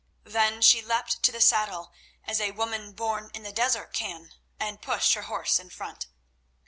Then she leapt to the saddle as a woman born in the desert can, and pushed her horse in front.